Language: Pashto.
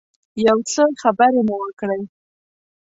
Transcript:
یو څه خبرې مو وکړې.